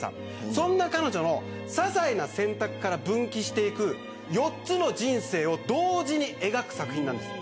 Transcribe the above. そんな彼女のささいな選択から分岐していく４つの人生を同時に描く作品なんです。